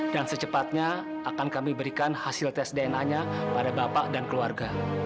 dan secepatnya akan kami berikan hasil tes dna nya pada bapak dan keluarga